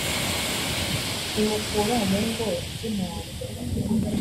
imukura mu ngo z'intama